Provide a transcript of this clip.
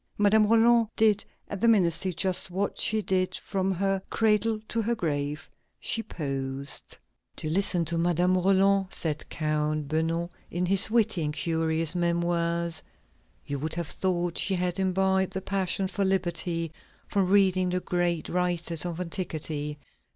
Madame Roland did at the ministry just what she did from her cradle to her grave: she posed. "To listen to Madame Roland," said Count Beugnot in his witty and curious Memoirs, "you would have thought she had imbibed the passion for liberty from reading the great writers of antiquity....